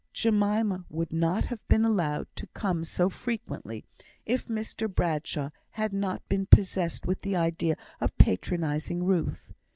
Jemima would not have been allowed to come so frequently if Mr Bradshaw had not been possessed with the idea of patronising Ruth.